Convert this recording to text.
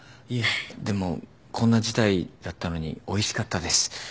いえでもこんな事態だったのにおいしかったです。